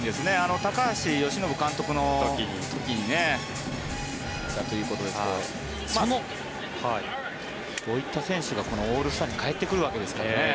高橋由伸監督の時にいたということですがこういった選手がオールスターに帰ってくるわけですからね。